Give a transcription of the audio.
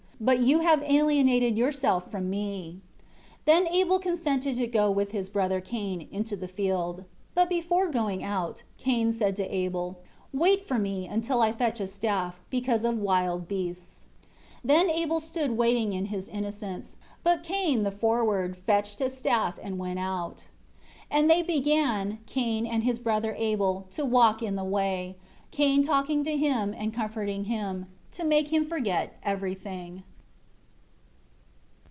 But you have alienated yourself from me." 36 Then Abel consented to go with his brother Cain into the field. 37 But before going out, Cain said to Abel, "Wait for me, until I fetch a staff, because of wild beasts." 38 Then Abel stood waiting in his innocence. But Cain, the forward, fetched a staff and went out. 39 And they began, Cain and his brother Abel, to walk in the way; Cain talking to him, and comforting him, to make him forget everything.